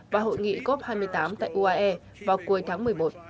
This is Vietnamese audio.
và hội nghị cop hai mươi tám tại uae vào cuối tháng một mươi một